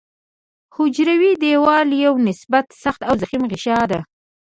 حجروي دیوال یو نسبت سخت او ضخیم غشا ده.